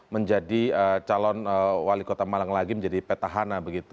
menjadi calon wali kota malang lagi menjadi petahana begitu